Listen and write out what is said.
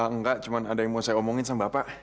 enggak cuma ada yang mau saya omongin sama bapak